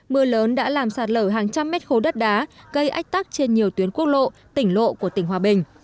mưa lớn đã làm sạt lở hàng trăm mét khố đất đá gây ách tắc trên nhiều tuyến quốc lộ tỉnh lộ của tỉnh hòa bình